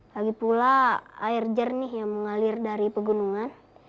lagi pula air jernih yang mengalir dari pegunungan